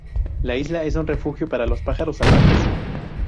La isla es un refugio para los pájaros salvajes.